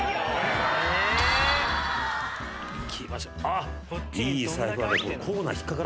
あっ！